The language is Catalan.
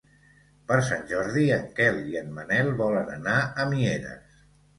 Per Sant Jordi en Quel i en Manel volen anar a Mieres.